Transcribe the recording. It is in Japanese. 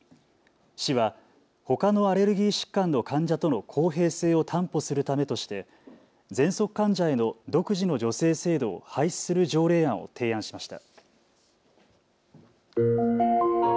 市はほかのアレルギー疾患の患者との公平性を担保するためとしてぜんそく患者への独自の助成制度を廃止する条例案を提案しました。